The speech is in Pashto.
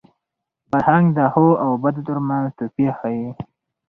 فرهنګ د ښو او بدو تر منځ توپیر ښيي.